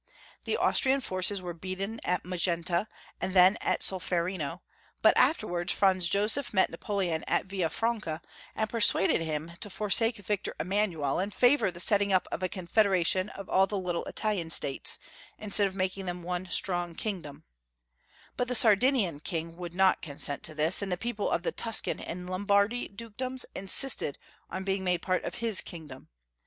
The Austrian forces were beaten at Magenta, and then at Solferino; but afterwards Franz Joseph met Napoleon at Villa Franca, and persuaded him to forsake Victor Emanuel, and favor the setting up of a Confederation of all the little Italian states, instead of making them one strong kingdom ; but the Sardinian king would not consent to this, and the people of the Tuscan and Lombardy dukedoms insisted on being made part of his kingdom.